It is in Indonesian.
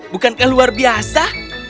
bukankah luar biasa